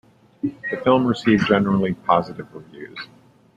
The film received generally positive reviews.